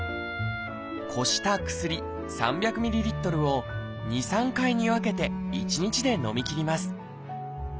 こした薬３００ｍＬを２３回に分けて１日でのみきります。